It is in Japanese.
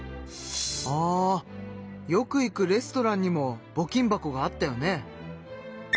あよく行くレストランにもぼ金箱があったよね？